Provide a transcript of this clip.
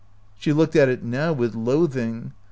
She looked at it now with loathing.